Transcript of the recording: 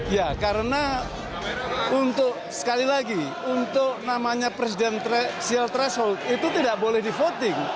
ya karena untuk sekali lagi untuk namanya presidensial threshold itu tidak boleh di voting